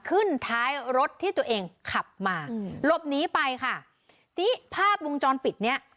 ขึ้นท้ายรถที่ตัวเองขับมาอืมหลบหนีไปค่ะทีนี้ภาพวงจรปิดเนี้ย